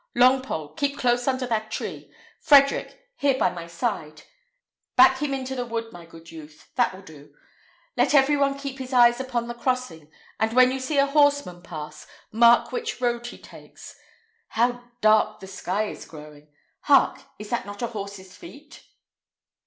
"Longpole, keep close under that tree! Frederick, here by my side; back him into the wood, my good youth; that will do. Let every one keep his eyes upon the crossing, and when you see a horseman pass, mark which road he takes. How dark the sky is growing! Hark! is not that a horse's feet?"